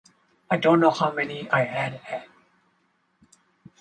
I don't know how many I had had.